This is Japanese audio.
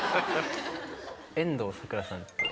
遠藤さくらさん。